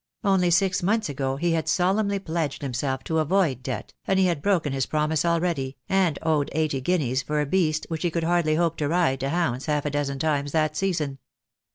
Only six months ago he had solemnly pledged himself to avoid debt, and he had broken his promise already, and owed eighty guineas for a beast which he could hardly hope to ride to hounds half a dozen times that season.